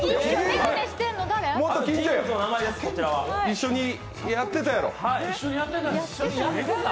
一緒にやってたやろ。